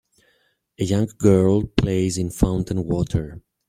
A young girl plays in fountain water.